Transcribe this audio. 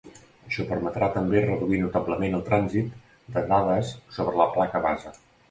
Això permetrà també reduir notablement el trànsit de dades sobre la placa base.